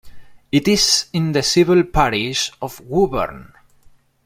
It is in the civil parish of Wooburn.